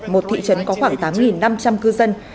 một thị trấn có khoảng tám năm trăm linh cư dân